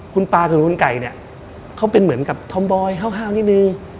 คุณปลากับคุณไก่เนี่ยเขาเป็นเหมือนกับทอมบอยห้าวนิดนึง